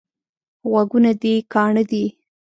غوږونه دي کاڼه دي؟